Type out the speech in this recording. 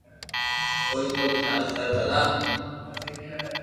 ڪوئي تو خيال ڪر ڀلا